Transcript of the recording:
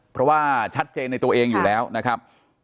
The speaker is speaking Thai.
เพราะว่าชัดเจนในตัวเองอยู่แล้วนะครับ